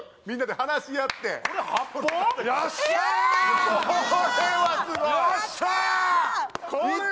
みんなで話し合ってこれ８本？